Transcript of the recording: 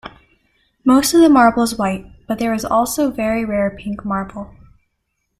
Most of the marble is white, but there is also very rare pink marble.